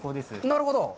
なるほど！